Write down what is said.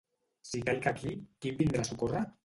Si caic aquí, qui em vindrà a socórrer?